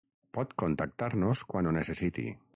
Pot contactar-nos quan ho necessiti.